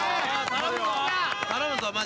頼むぞマジ。